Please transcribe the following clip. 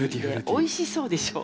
おいしそうでしょ？